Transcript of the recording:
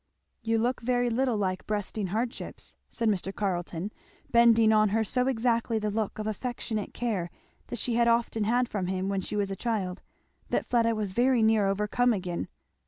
"You look very little like breasting hardships," said Mr. Carleton, bending on her so exactly the look of affectionate care that she had often had from him when she was a child, that Fleda was very near overcome again.